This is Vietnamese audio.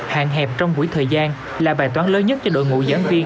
hạn hẹp trong quỹ thời gian là bài toán lớn nhất cho đội ngũ giảng viên